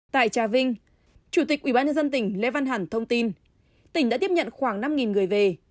tại trà vinh chủ tịch ubnd tỉnh lê văn hẳn thông tin tỉnh đã tiếp nhận khoảng năm người về